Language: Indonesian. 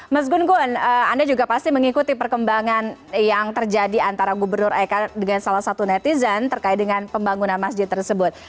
mas gun gun anda juga pasti mengikuti perkembangan yang terjadi antara gubernur eka dengan salah satu netizen terkait dengan pembangunan masjid tersebut